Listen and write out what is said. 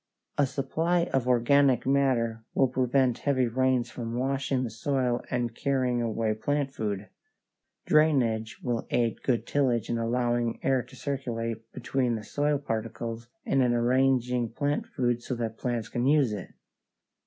A supply of organic matter will prevent heavy rains from washing the soil and carrying away plant food. Drainage will aid good tillage in allowing air to circulate between the soil particles and in arranging plant food so that plants can use it.